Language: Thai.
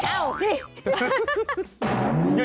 เอ้าฮิ